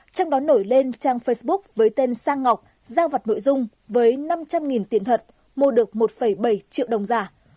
trong đó nổi lên trang facebook với tên sang ngọc giao vặt nội dung với năm trăm linh tiền thật mua được một bảy triệu đồng giả